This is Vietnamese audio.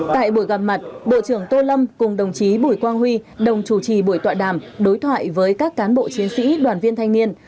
tại buổi gặp mặt bộ trưởng tô lâm cùng đồng chí bùi quang huy đồng chủ trì buổi tọa đàm đối thoại với các cán bộ chiến sĩ đoàn viên thanh niên